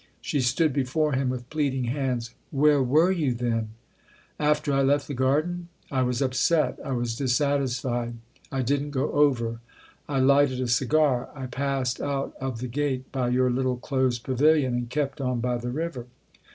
She stood before him with pleading hands. " Where ivere you then ?" "After I left the garden? I was upset, I was dissatisfied I didn't go over. I lighted a cigar; I passed out of the gate by your little closed pavilion and kept on by the river."